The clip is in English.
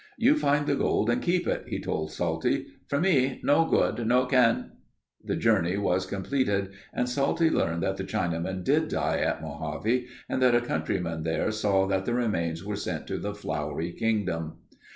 "You find the gold and keep it," he told Salty. "For me—no good. No can...." The journey was completed and Salty learned that the Chinaman did die at Mojave and that a countryman there saw that the remains were sent to the Flowery Kingdom.